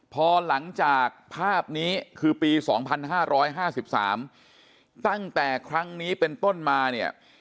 พอหลังจากภาพนี้คือปีสองพันห้าร้อยห้าสิบสามตั้งแต่ครั้งนี้เป็นต้นมาเนี้ย